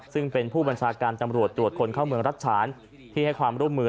ซึ่งเป็นผู้บัญชาการตำรวจตรวจคนเข้าเมืองรัฐฉานที่ให้ความร่วมมือ